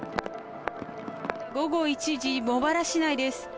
午後１時、茂原市内です。